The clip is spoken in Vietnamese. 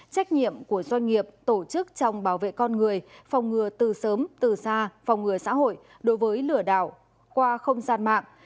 trách nhiệm của doanh nghiệp tổ chức trong bảo vệ con người phòng ngừa từ sớm từ xa phòng ngừa xã hội đối với lừa đảo qua không gian mạng